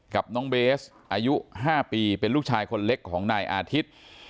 กับน้องเบสอายุ๕ปีเป็นลูกชายคนเล็กของนายอาทิตย์